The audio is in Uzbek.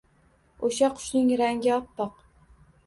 O’sha qushning rangi op-poq…